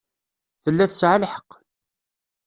Tella tesɛa lḥeqq.